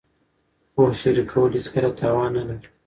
پوهه شریکول هېڅکله تاوان نه لري.